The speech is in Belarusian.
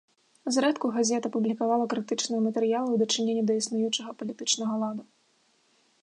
Зрэдку газета публікавала крытычныя матэрыялы ў дачыненні да існуючага палітычнага ладу.